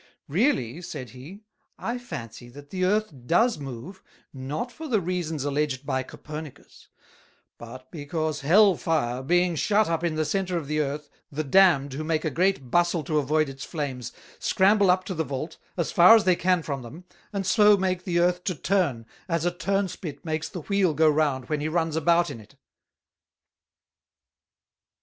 'Really,' said he, 'I fancy that the Earth does move, not for the Reasons alledged by Copernicus; but because Hell fire being shut up in the Center of the Earth, the damned, who make a great bustle to avoid its Flames, scramble up to the Vault, as far as they can from them, and so make the Earth to turn, as a Turn spit makes the Wheel go round when he runs about in it.'"